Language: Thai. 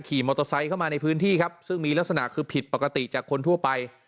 ขี่มอเตอร์ไซค์เข้ามาในพื้นที่ครับซึ่งมีลักษณะคือผิดปกติจากคนทั่วไป